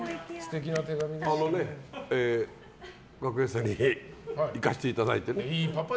あのね学園祭に行かせていただいてね。